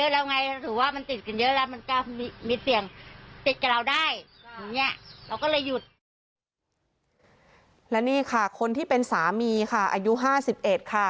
และนี่ค่ะคนที่เป็นสามีค่ะอายุ๕๑ค่ะ